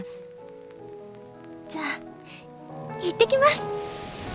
「じゃ行ってきます！」。